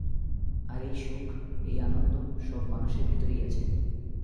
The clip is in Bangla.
আর এই সুখ, এই আনন্দ সব মানুষের ভেতরেই আছে।